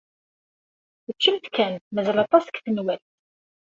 Ččemt kan. Mazal aṭas deg tenwalt.